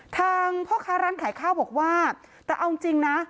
ทางพ่อค้าร้านขายข้าวบอกว่าแต่เอาจริงนะ